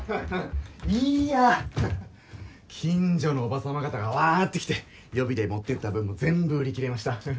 いや近所のおばさま方がわって来て予備で持ってった分も全部売り切れました。